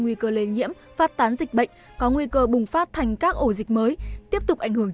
nguy cơ lây nhiễm phát tán dịch bệnh có nguy cơ bùng phát thành các ổ dịch mới tiếp tục ảnh hưởng